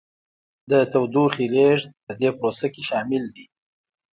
د تودوخې لیږد په دې پروسه کې شامل دی.